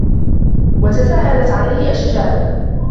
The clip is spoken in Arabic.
وَتَسَهَّلَتْ عَلَيْهِ أَشْجَانُهُ